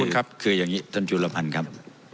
คุณสมบัติคืออย่างนี้ท่านจุลภัณฑ์ครับ